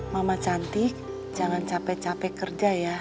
mama cantik jangan capek capek kerja ya